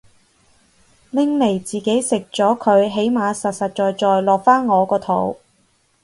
拎嚟自己食咗佢起碼實實在在落返我個肚